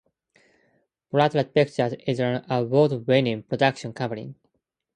Brightlight Pictures is an award-winning production company.